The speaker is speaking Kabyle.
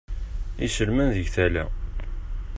Iselman deg tala.